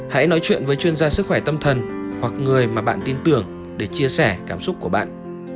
hãy nói chuyện với chuyên gia sức khỏe tâm thần hoặc người mà bạn tin tưởng để chia sẻ cảm xúc của bạn